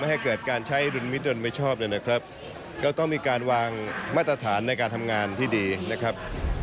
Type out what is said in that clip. ให้เกิดการใช้ดุลมิตโดยไม่ชอบเลยนะครับก็ต้องมีการวางมาตรฐานในการทำงานที่ดีนะครับ